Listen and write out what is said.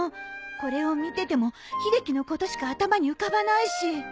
これを見てても秀樹のことしか頭に浮かばないし。